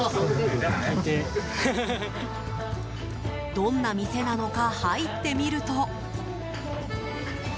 どんな店なのか入ってみると。